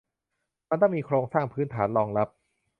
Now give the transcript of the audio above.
มันต้องมีโครงสร้างพื้นฐานรองรับ